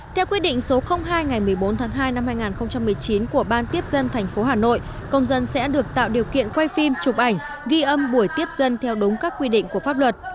theo quyết định số hai ngày một mươi bốn tháng hai năm hai nghìn một mươi chín của ban tiếp dân tp hà nội công dân sẽ được tạo điều kiện quay phim chụp ảnh ghi âm buổi tiếp dân theo đúng các quy định của pháp luật